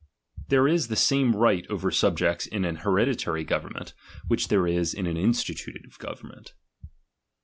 There is the same right over subjects in an hereditary government, which there is in an institutive government.